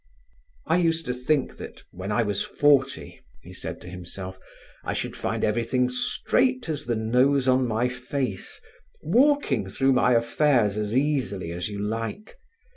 "I used to think that, when I was forty," he said to himself, "I should find everything straight as the nose on my face, walking through my affairs as easily as you like.